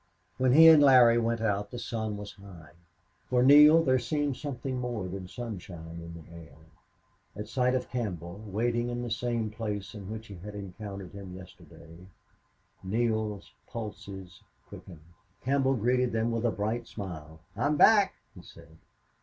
When he and Larry went out the sun was high. For Neale there seemed something more than sunshine in the air. At sight of Campbell, waiting in the same place in which they had encountered him yesterday, Neale's pulses quickened. Campbell greeted them with a bright smile. "I'm back," he said.